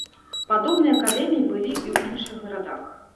Падобныя акадэміі былі і ў іншых гарадах.